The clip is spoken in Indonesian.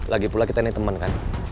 lagipula kita ini teman kan